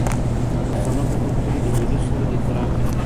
د پښتنو په کلتور کې د ملي سرود احترام کیږي.